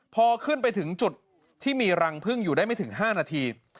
พอขึ้นไปถึงจุดที่มีรังพึ่งอยู่ได้ไม่ถึง๕นาที